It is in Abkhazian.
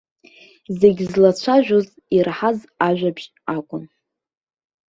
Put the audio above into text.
Зегь злацәажәоз ираҳаз ажәабжь акәын.